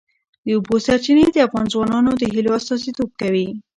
د اوبو سرچینې د افغان ځوانانو د هیلو استازیتوب کوي.